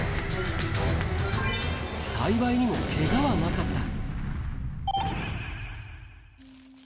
幸いにもけがはなかった。